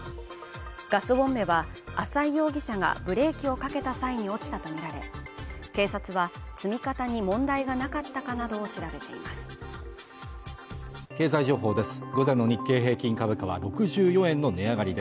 ガスボンベは浅井容疑者がブレーキをかけた際に落ちたとみられ警察は積み方に問題がなかったかなどを調べています